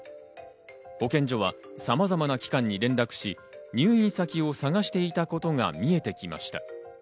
保健所はさまざまな機関に連絡し、入院先を探していたことが見えてきました。